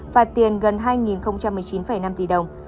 phạt tiền gần hai một mươi chín năm tỷ đồng